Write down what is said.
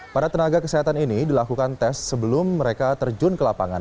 para tenaga kesehatan ini dilakukan tes sebelum mereka terjun ke lapangan